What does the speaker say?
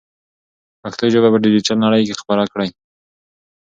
پښتو ژبه په ډیجیټل نړۍ کې خپره کړئ.